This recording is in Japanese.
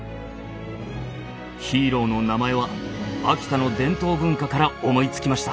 ヒーローの名前は秋田の伝統文化から思いつきました。